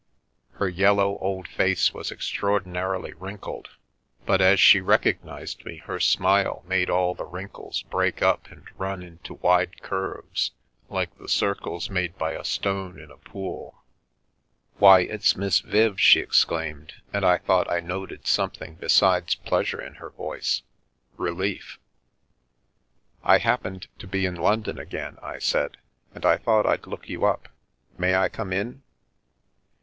Her yellow, old face was extraordinarily wrinkled, but as she recognised me, her smile made all the wrinkles break up and run into wide curves, like the circles made by a stone in a pool. " Why, it's Miss Viv !" she exclaimed, and I thought I noted something besides pleasure in her voice — re lief. " I happened to be in London again," I said, " and I thought I'd look you up. May I come in?